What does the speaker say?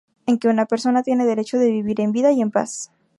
En que una persona tiene derecho de vivir en vida y en paz.